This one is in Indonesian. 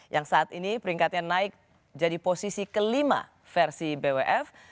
yang saat ini peringkatnya naik jadi posisi kelima versi bwf